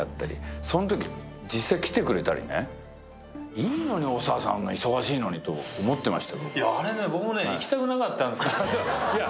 いいのに、大沢さん、忙しいのにと思ってました。